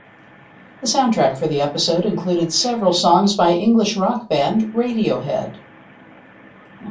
The soundtrack for the episode included several songs by English rock band Radiohead.